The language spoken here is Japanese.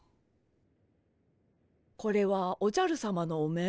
これはおじゃるさまのお面？